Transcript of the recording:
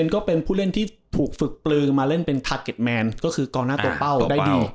ก็เป็นผู้เล่นที่ถูกฝึกปลือมาเล่นเป็นทาเก็ตแมนก็คือกองหน้าตัวเป้าได้ดี